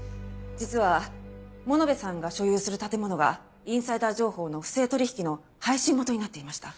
実は物部さんが所有する建物がインサイダー情報の不正取引の配信元になっていました。